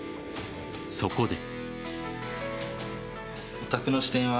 そこで。